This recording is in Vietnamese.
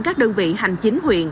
các đơn vị hành chính huyện